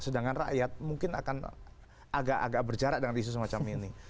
sedangkan rakyat mungkin akan agak agak berjarak dengan isu semacam ini